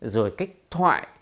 rồi cách thoại